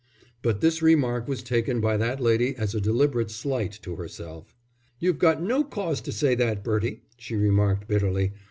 But this remark was taken by that lady as a deliberate slight to herself. "You've got no cause to say that, Bertie," she remarked, bitterly.